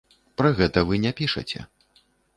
Пра гэта вы не пішаце.